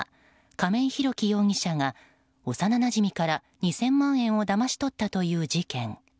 亀井裕貴容疑者が幼なじみから２０００万円をだまし取ったという事件。